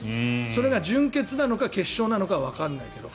それが準決なのか決勝なのかはわからないけど。